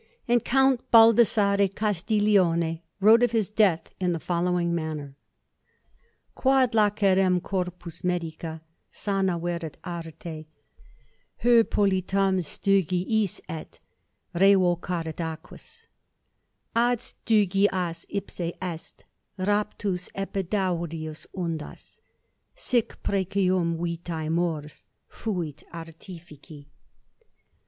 And Count Baldassarre Castiglione wrote of his death in the following manner: Quod lacerum corpus medica sanaverit arte, Hyppolitum Stygiis et revocarit aquis, Ad Stygias ipse est raptus Epidaurius undas; Sic precium vitæ mors fuit artifici.